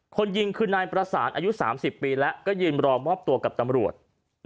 คนยิงคือนายประสานอายุ๓๐ปีแล้วก็ยืนรอมอบตัวกับตำรวจ